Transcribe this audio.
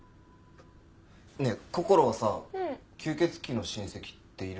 ねえこころはさ吸血鬼の親戚っているんだっけ？